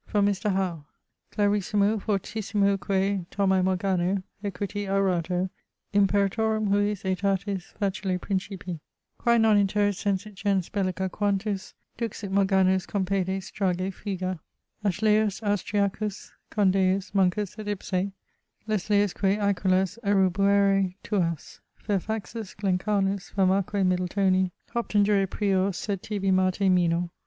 From Mr. Howe: [Clarissimo fortissimoque Thomae Morgano, equiti aurato, imperatorum hujus aetatis facile principi. Quae non in terris sensit gens bellica quantus Dux sit Morganus, compede, strage, fugâ? Ashleus, Austriacus, Condaeus, Monkus et ipse, Lesleiusque aquilas erubuêre tuas. Fairfaxus, Glencarnus, famaque Middletoni, Hopton jure prior sed tibi Marte minor.